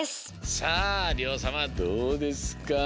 さありょうさまどうですか？